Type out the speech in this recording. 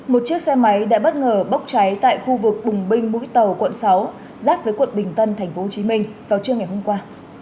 một chiếc xe máy đã bất ngờ bốc cháy tại khu vực bùng binh mũi tàu quận sáu giáp với quận bình tân tp hcm vào trưa ngày hôm qua